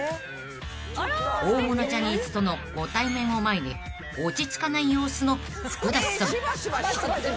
［大物ジャニーズとのご対面を前に落ち着かない様子の福田さん］